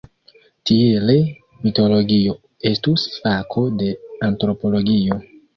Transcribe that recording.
Tiele "mitologio" estus fako de antropologio.